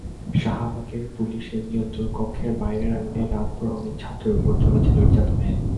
শাহবাগের পুলিশের নিয়ন্ত্রণকক্ষের বাইরের আঙিনায় রাতভর অনেক ছাত্রের ওপর চলেছে নির্যাতন।